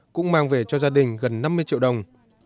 cũng mang về cho gia đình gần năm mươi triệu đồng